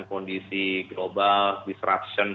kondisi global disruption